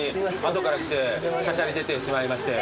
後から来てしゃしゃり出てしまいまして。